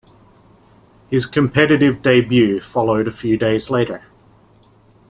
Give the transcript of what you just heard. His competitive debut followed a few days later.